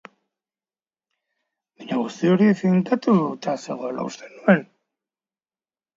Guzti hori finkatu beharko dute.